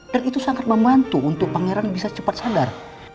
dan itu sangat membantu untuk pangeran bisa cepat sadar